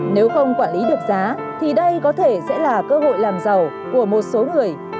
nếu không quản lý được giá thì đây có thể sẽ là cơ hội làm giàu của một số người